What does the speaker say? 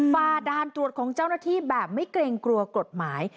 ฝ่าด่านตรวจของเจ้าหน้าที่แบบไม่เกรงกลัวกฎหมาย